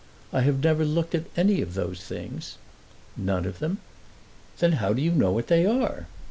"I have never looked at any of those things." "None of them? Then how do you know what they are?"